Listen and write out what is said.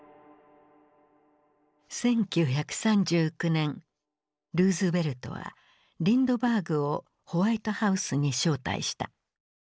１９３９年ルーズベルトはリンドバーグをホワイトハウスに招待した。